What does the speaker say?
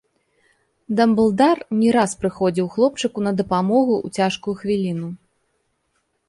Дамблдар не раз прыходзіў хлопчыку на дапамогу ў цяжкую хвіліну.